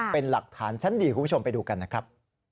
เป็นหลักฐานชั้นดีคุณผู้ชมไปดูกันนะครับ